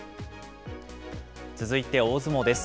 続いて大相撲です。